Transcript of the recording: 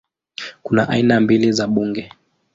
Kuna aina mbili za bunge